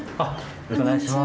よろしくお願いします。